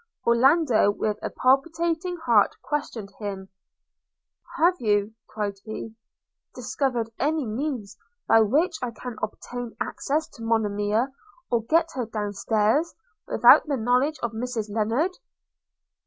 Orlando with a palpitating heart questioned him: 'Have you,' cried he, 'discovered any means by which I can obtain access to Monimia, or get her down stairs, without the knowledge of Mrs Lennard?'